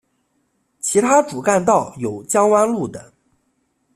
其他主干道有江湾路等。